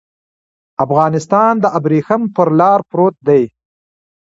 افغانستان د ابريښم پر لار پروت دی.